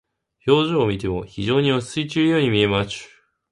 表情を見ても非常に落ち着いているように見えます。